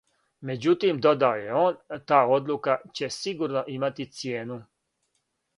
"Меđутим, додао је он, та одлука "ће сигурно имати цијену"."